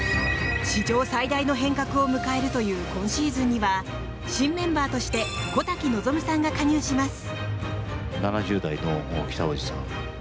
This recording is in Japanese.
史上最大の変革を迎えるという今シーズンには新メンバーとして小瀧望さんが加入します。